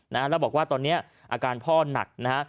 แล้วบอกว่าตอนนี้อาการพ่อหนักนะฮะ